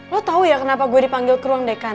lo tahu ya kenapa gue dipanggil ke ruang dekan